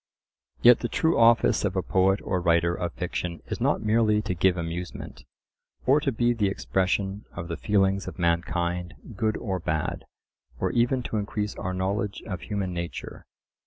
Yet the true office of a poet or writer of fiction is not merely to give amusement, or to be the expression of the feelings of mankind, good or bad, or even to increase our knowledge of human nature.